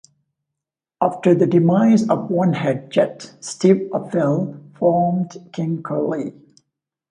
After the demise of One Head Jet, Steve Appel formed King Curly.